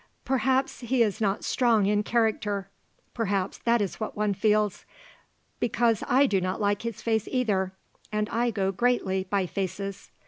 Perhaps he is not strong in character. Perhaps that is what one feels. Because I do not like his face, either; and I go greatly by faces."